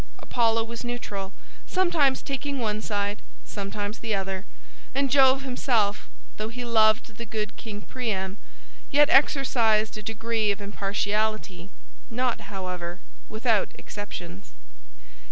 Apollo was neutral, sometimes taking one side, sometimes the other, and Jove himself, though he loved the good King Priam, yet exercised a degree of impartiality; not, however, without exceptions.